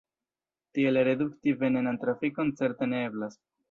Tiel redukti venenan trafikon certe ne eblas.